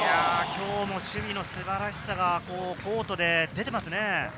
今日も守備の素晴らしさがコートで出ていますね。